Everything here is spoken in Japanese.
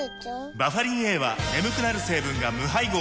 バファリンＡは眠くなる成分が無配合なんです